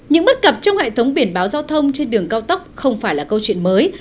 những bất cập trong hệ thống biển báo giao thông trên đường cao tốc không phải là câu chuyện mới